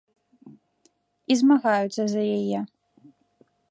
І змагаюцца за яе.